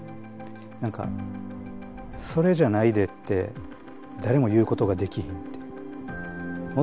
何かそれじゃないでって誰も言うことができひんっていう。